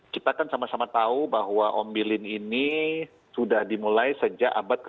kita kan sama sama tahu bahwa om bilin ini sudah dimulai sejak abad ke sembilan belas